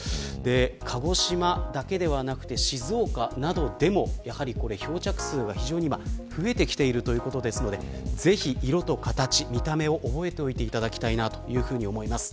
鹿児島だけではなくて静岡などでも漂着数が非常に増えてきているということですのでぜひ色と形、見た目を覚えておいていただきたいというふうに思います。